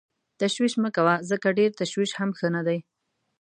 تشویش مه کوه ځکه ډېر تشویش هم ښه نه دی.